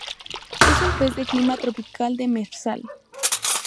Es un pez de clima tropical demersal.